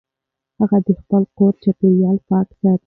هغې د خپل کور چاپېریال پاک ساتي.